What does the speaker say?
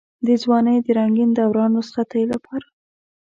د ځوانۍ د رنګين دوران رخصتۍ لپاره.